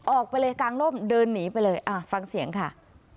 ออกไปเลยกลางร่มเดินหนีไปเลยฟังเสียงค่ะ